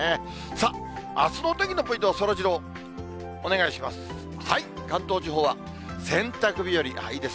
さあ、あすのお天気のポイントはそらジロー、お願いします。